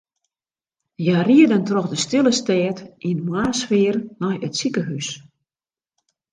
Hja rieden troch de stille stêd yn moarnssfear nei it sikehús.